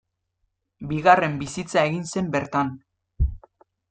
Bigarren bizitza egin zen bertan.